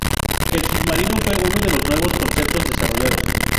El submarino fue uno de los nuevos conceptos desarrollados.